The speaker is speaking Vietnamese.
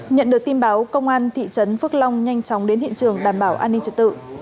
nhận được tin báo công an thị trấn phước long nhanh chóng đến hiện trường đảm bảo an ninh trật tự